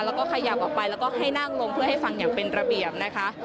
แล้วก็ขยับออกไปแล้วก็ให้นั่งลงเพื่อให้ฟังอย่างเป็นระเบียบนะคะ